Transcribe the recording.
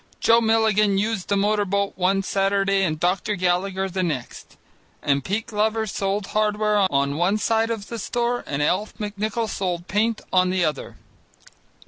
Joe Milligan used the motor boat one Saturday and Dr. Gallagher the next, and Pete Glover sold hardware on one side of the store and Alf McNichol sold paint on the other.